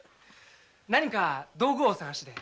何か道具をお探しで？